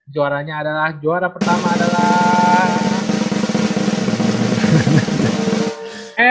juaranya adalah juara pertama adalah